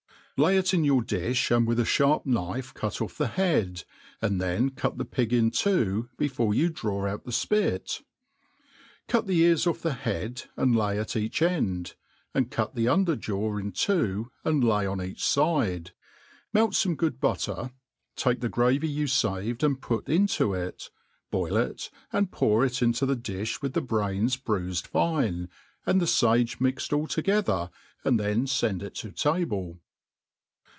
Lay it in your difli, and with a ihafp knife cutpfF the head, and then cut the pig in two, before you draw out the fpit. Cut the ears off the head and lay at each end, and cut the under jaw inrtw/o arid lay on each fide : meU fome good butter, take th6 gravy yotf faved and put into it, boil it, and pduf it into' the diib virithr the brains bruifad fine, and the fage mixed all toge ti«^i and then fend it to table.